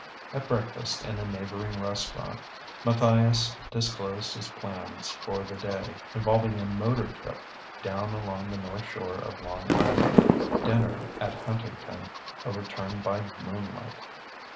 At breakfast in a neighbouring restaurant, Matthias disclosed his plans for the day, involving a motor trip down along the north shore of Long Island, dinner at Huntington, a return by moonlight.